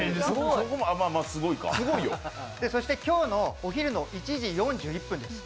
そして今日のお昼の１時４１分です。